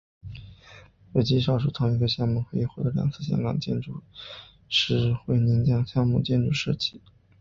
为极少数同一个项目可以获两次香港建筑师学会年奖的建筑设计项目。